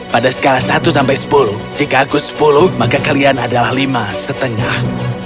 pada skala satu sampai sepuluh jika aku sepuluh maka kalian adalah lima lima